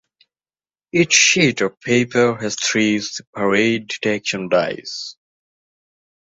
Each sheet of paper has three separate detection dyes.